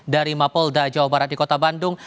dari mapolda jawa barat di kota bandung